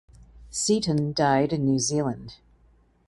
Seton died in New Zealand.